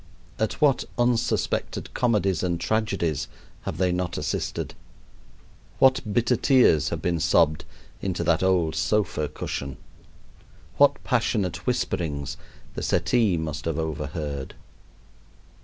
At what unsuspected comedies and tragedies have they not assisted! What bitter tears have been sobbed into that old sofa cushion! What passionate whisperings the settee must have overheard!